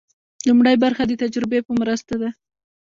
لومړۍ برخه د تجربې په مرسته ده.